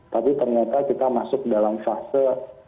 tapi ternyata kita masuk dalam fase